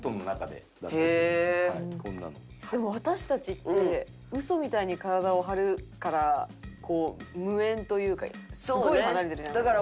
でも私たちってウソみたいに「体を張る」から無縁というかすごい離れてるじゃないですか。